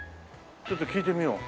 ちょっと聞いてみよう。